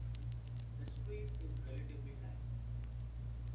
The strait is relatively narrow.